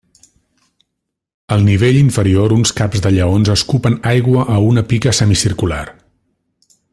Al nivell inferior uns caps de lleons escupen aigua a una pica semicircular.